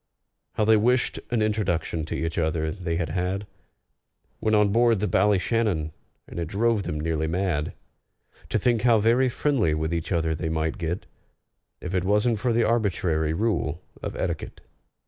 How they wished an introduction to each other they had had When on board the Ballyshannon! And it drove them nearly mad To think how very friendly with each other they might get, If it wasn't for the arbitrary rule of etiquette!